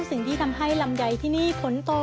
สิ่งที่ทำให้ลำไยที่นี่ผลโต